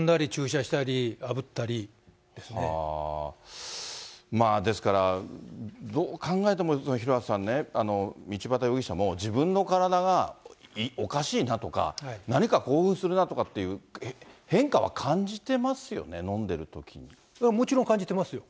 それは飲んだり注射したり、ですからどう考えても、廣畑さんね、道端容疑者も、自分の体がおかしいなとか、何か興奮するなとかっていう変化は感じてますよね、飲んでるときもちろん、感じてますよ。